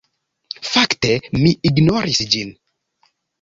Fakte mi ignoris ĝin.